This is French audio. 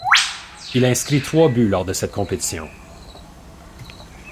Il inscrit trois buts lors de cette compétition.